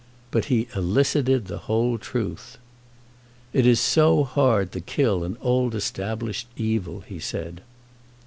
But he elicited the whole truth. "It is so hard to kill an old established evil," he said.